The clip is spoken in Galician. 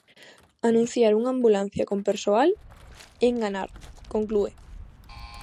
"Anunciar unha ambulancia con persoal é enganar", conclúe.